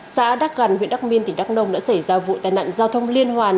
xã đắc gần huyện đắc miên tỉnh đắc nông đã xảy ra vụ tai nạn giao thông liên hoàn